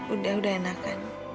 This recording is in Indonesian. udah udah enakan